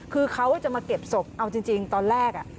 คือเขาจะมาเก็บศพเอาจริงตอนแรก